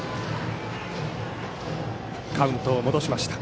カウントを戻しました。